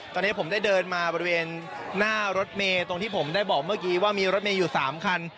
ตอนนี้ผมได้เดินมาบริเวณหน้ารถเมย์ตรงที่ผมได้บอกเมื่อกี้ว่ามีรถเมย์อยู่๓คัน